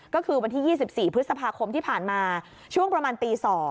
ก็คือวันที่๒๔พฤษภาคมที่ผ่านมาช่วงประมาณตี๒